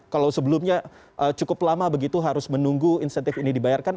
kalau sebelumnya cukup lama begitu harus menunggu insentif ini dibayarkan